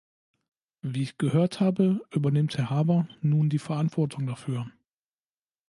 Wie ich gehört habe, übernimmt Herr Harbour nun die Verantwortung dafür.